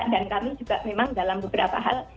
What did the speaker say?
dan kami juga memang dalam beberapa hal